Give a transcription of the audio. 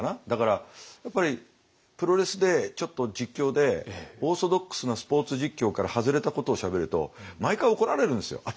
だからやっぱりプロレスでちょっと実況でオーソドックスなスポーツ実況から外れたことをしゃべると毎回怒られるんですよ。